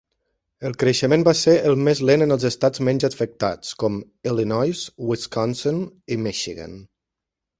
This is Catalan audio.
El creixement va ser el més lent en els estats menys afectats, com Illinois, Wisconsin i Michigan.